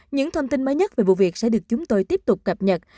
những thông tin mới nhất về vụ việc sẽ được chúng tôi tiếp tục cập nhật